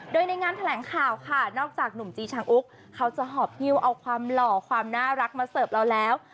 โดยในงานแถลงข่าวค่ะนอกจากหนุ่มจีชังอุ๊กเขาจะหอบฮิ้วเอาความหล่อความน่ารักมาเสิร์ฟเราแล้ว